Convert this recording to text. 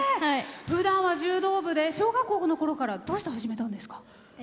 ふだんは柔道部で小学校のころからどうして始めたんですか？